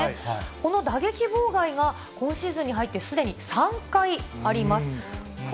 この打撃妨害が今シーズンに入って、すでに３回あります。